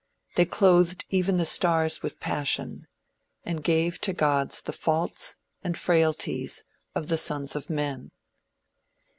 They clothed even the stars with passion, and gave to gods the faults and frailties of the sons of men.